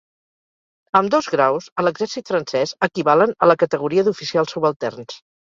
Ambdós graus a l'exèrcit francès equivalen a la categoria d'oficials subalterns.